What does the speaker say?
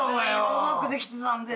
うまくできてたんで。